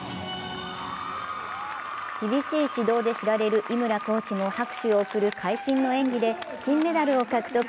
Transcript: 厳しい指導で知られる井村コーチも拍手を送る会心の演技で金メダルを獲得。